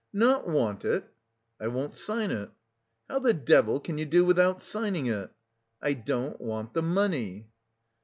"Not want it?" "I won't sign it." "How the devil can you do without signing it?" "I don't want... the money."